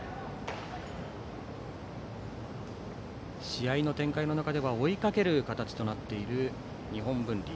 試合の展開の中では追いかける形となっている日本文理。